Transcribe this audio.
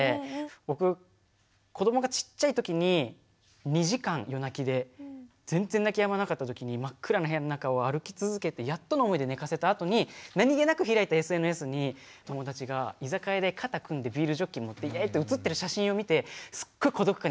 僕子どもがちっちゃい時に２時間夜泣きで全然泣きやまなかった時に真っ暗な部屋の中を歩き続けてやっとの思いで寝かせたあとに何気なく開いたＳＮＳに友達が居酒屋で肩組んでビールジョッキ持ってイエイって写ってる写真を見てすっごく孤独感にさいなまれたんですよ。